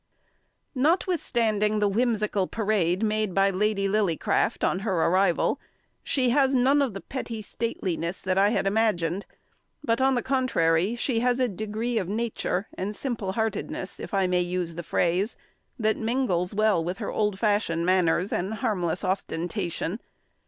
Notwithstanding the whimsical parade made by Lady Lillycraft on her arrival, she has none of the petty stateliness that I had imagined; but on the contrary she has a degree of nature, and simple heartedness, if I may use the phrase, that mingles well with her old fashioned manners and harmless ostentation.